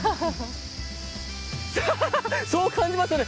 そう感じますよね？